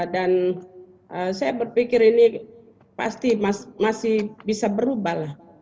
dan saya berpikir ini pasti masih bisa berubah